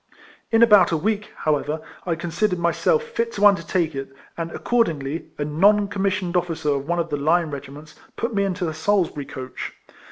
In about a week, however, I considered myself fit to undertake it ; and, accordingl) , a non commissioned officer of one of the line regiments put me into a Salisbury coach.